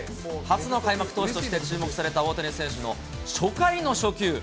初の開幕投手として注目された大谷選手の初回の初球。